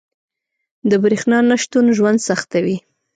• د برېښنا نه شتون ژوند سختوي.